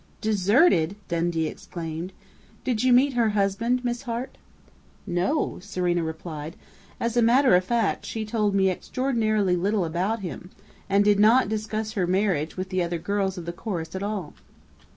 "Deserted!" Dundee exclaimed. "Did you meet her husband, Miss Hart?" "No," Serena Hart replied. "As a matter of fact, she told me extraordinarily little about him, and did not discuss her marriage with the other girls of the chorus at all.